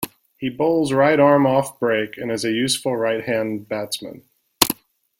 He bowls right-arm off break and is a useful right-hand batsman.